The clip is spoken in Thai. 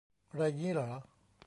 ไรงี้เหรอ